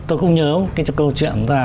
tôi cũng nhớ cái câu chuyện là